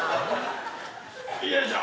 よいしょ！